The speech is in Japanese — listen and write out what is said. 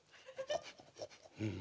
うん。